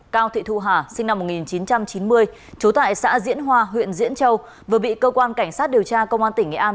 cao thị thu hà sinh năm một nghìn chín trăm chín mươi chú tại xã diễn hoa huyện diễn châu vừa bị cơ quan cảnh sát điều tra công an tỉnh nghệ an